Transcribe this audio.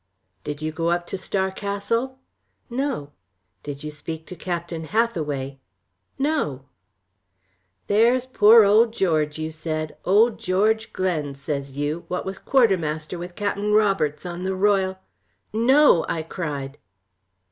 "Did you go up to Star Castle?" "No." "Did you speak to Captain Hathaway?" "No." "'There's poor old George,' you said. 'Old George Glen,' says you, 'what was quartermaster with Cap'n Roberts on the Royal '" "No," I cried.